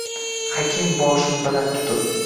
Hakim boshin baland tutib